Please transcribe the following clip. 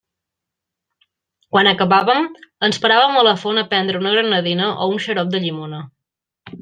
Quan acabàvem, ens paràvem a la font a prendre una granadina o un xarop de llimona.